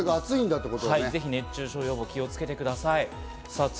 これだぜひ熱中症予防、気をつけてください。